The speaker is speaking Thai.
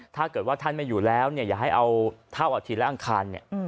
ถ้าเกิดว่าท่านไม่อยู่แล้วเนี่ยอย่าให้เอาเท่าอาทิตย์และอังคารเนี่ย